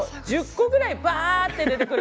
１０個ぐらいバッて出てくる。